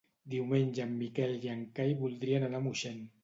Diumenge en Miquel i en Cai voldrien anar a Moixent.